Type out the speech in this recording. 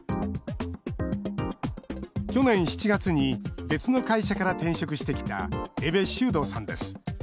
去年７月に別の会社から転職してきた江部修堂さんです。